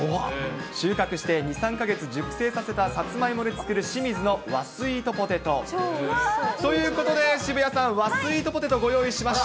収穫して２、３か月熟成したサツマイモで作るしみずの和スイートポテト。ということで渋谷さん、和スイートポテト、ご用意しました。